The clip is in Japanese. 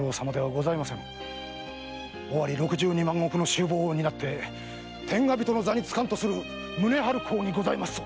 尾張六十二万石の衆望を担って天下人の座に就かんとする宗春公にございますぞ。